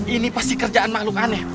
ini pasti kerjaan makhluk aneh